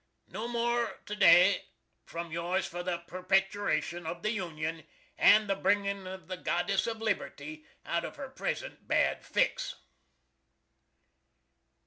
No more to day from yours for the Pepetration of the Union, and the bringin of the Goddess of Liberty out of her present bad fix.